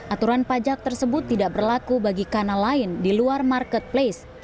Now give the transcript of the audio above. aturan pajak tersebut tidak berlaku bagi kanal lain di luar marketplace